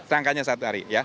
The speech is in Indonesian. rangkanya satu hari